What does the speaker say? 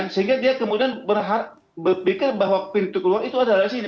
sehingga dia kemudian berpikir bahwa pintu keluar itu adalah sini